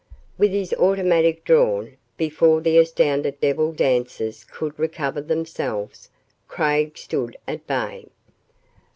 With his automatic drawn, before the astounded devil dancers could recover themselves, Craig stood at bay.